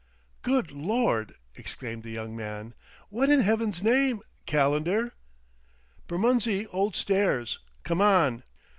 "Good Lord!" exclaimed the young man. "What, in Heaven's name, Calendar ?" "Bermondsey Old Stairs. Come on."